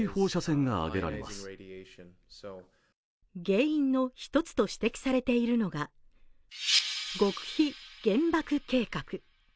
原因の１つと指摘されているのが極秘原爆計画。